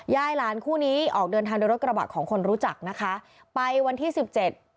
ยายหลานคู่นี้ออกเดินทางโดยรถกระบะของคนรู้จักนะคะไปวันที่สิบเจ็ด